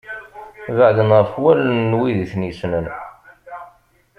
Beɛden ɣef wallen n wid i ten-yessnen.